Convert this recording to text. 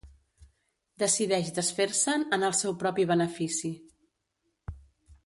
Decideix desfer-se'n en el seu propi benefici.